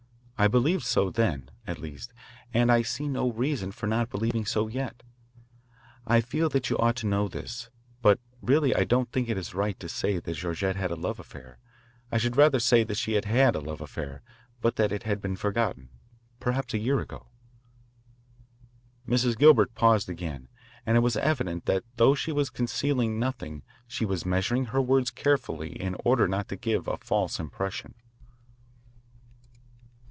I believed so then, at least, and I see no reason for not believing so yet. I feel that you ought to know this, but really I don't think it is right to say that Georgette had a love affair. I should rather say that she had had a love affair, but that it had been forgotten, perhaps a year ago." Mrs. Gilbert paused again, and it was evident that though she was concealing nothing she was measuring her words carefully in order not to give a false impression.